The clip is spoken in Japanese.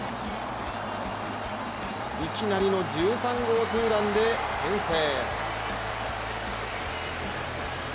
いきなりの１３号ツーランで先制。